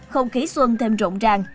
không khí xuân thêm rộng ràng